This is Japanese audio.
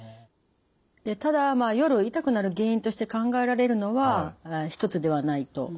でただ夜痛くなる原因として考えられるのは一つではないと思います。